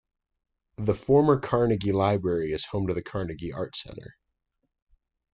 The former Carnegie Library is home to the Carnegie Art Center.